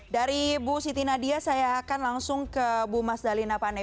dari bu siti nadia saya akan langsung ke bu mas dalina pane